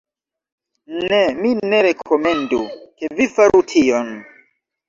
Ne, mi ne rekomendu, ke vi faru tion.